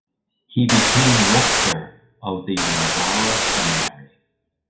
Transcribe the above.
He became rector of the Novara seminary.